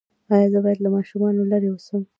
ایا زه باید له ماشومانو لرې اوسم؟